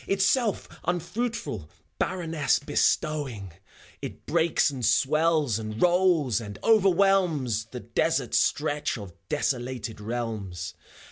Itself unfruitful, barrenness bestowing; It breaks and swells, and rolls, and overwhelms The desert stretch of desolated realms.